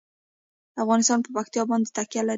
افغانستان په پکتیا باندې تکیه لري.